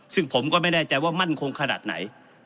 ซึ่งผมก็ไม่แน่ใจว่ามั่นคงขนาดไหน